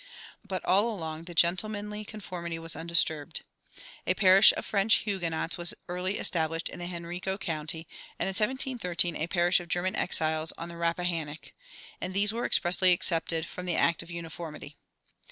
But all along the "gentlemanly conformity" was undisturbed. A parish of French Huguenots was early established in Henrico County, and in 1713 a parish of German exiles on the Rappahannock, and these were expressly excepted from the Act of Uniformity.